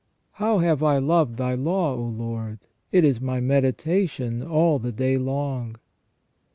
"How have I loved Thy law, O Lord; it is my meditation all the day long.''